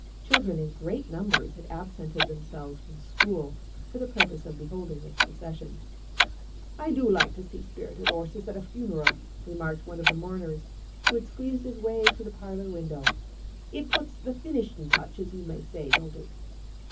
Children in great numbers had absented themselves from school for the purpose of beholding this procession. 'I do like to see spirited 'orses at a funeral!' remarked one of the mourners, who had squeezed his way to the parlour window. 'It puts the finishin' touch, as you may say, don't it?